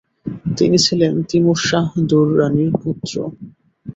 তিনি ছিলেন তিমুর শাহ দুররানির পুত্র।